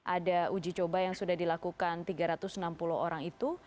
ada uji coba yang sudah dilakukan tiga ratus enam puluh orang itu